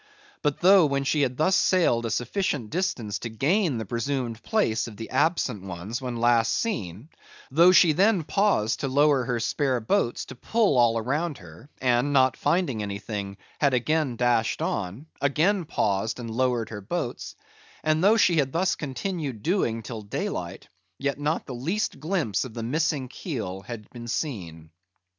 But though when she had thus sailed a sufficient distance to gain the presumed place of the absent ones when last seen; though she then paused to lower her spare boats to pull all around her; and not finding anything, had again dashed on; again paused, and lowered her boats; and though she had thus continued doing till daylight; yet not the least glimpse of the missing keel had been seen.